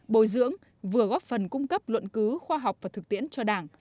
bồi dưỡng vừa góp phần cung cấp luận cứu khoa học và thực tiễn cho đảng